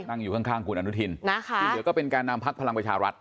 นั่งอยู่ข้างคุณอนุทินที่เหลือก็เป็นการนำพักพลังประชารัฐ